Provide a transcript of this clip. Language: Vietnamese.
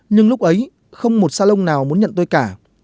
nhưng lúc ấy không một salon nào muốn nhận tôi cả